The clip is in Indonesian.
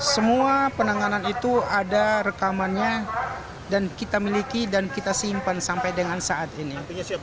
semua penanganan itu ada rekamannya dan kita miliki dan kita simpan sampai dengan saat ini